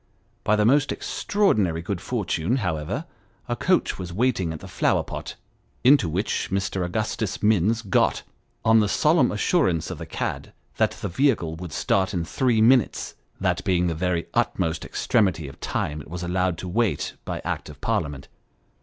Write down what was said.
By the most extraordinary good fortune, however, a coach was waiting at the Flower pot, into which Mr. Augustus Minns got, on the solemn assurance of the cad that the vehicle would start in three minutes that being the very utmost ex tremity of time it was allowed to wait by Act of Parliament.